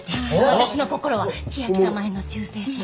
私の心は千明さまへの忠誠心。